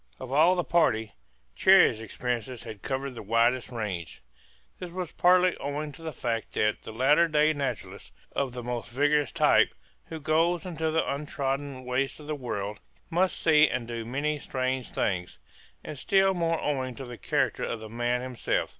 Of all the party Cherrie's experiences had covered the widest range. This was partly owing to the fact that the latter day naturalist of the most vigorous type who goes into the untrodden wastes of the world must see and do many strange things; and still more owing to the character of the man himself.